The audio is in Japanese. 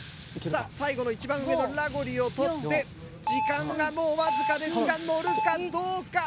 さあ最後の一番上のラゴリを取って時間がもうわずかですがのるかどうか。